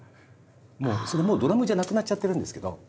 それもうドラムじゃなくなっちゃってるんですけど。